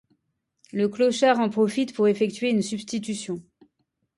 Le clochard en profite pour effectuer une substitution.